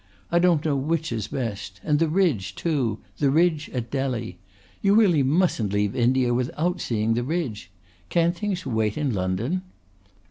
I don't know which is best, and the Ridge too! the Ridge at Delhi. You really mustn't leave India without seeing the Ridge. Can't things wait in London?"